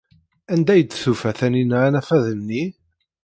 Anda ay d-tufa Taninna anafad-nni?